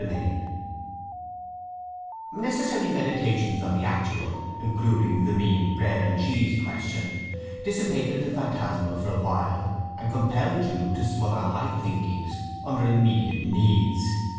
II Necessary meditations on the actual, including the mean bread and cheese question, dissipated the phantasmal for a while, and compelled Jude to smother high thinkings under immediate needs.